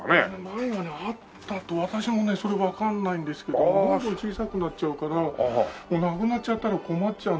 前はねあったと私もねそれわかんないんですけどどんどん小さくなっちゃうからなくなっちゃったら困っちゃう。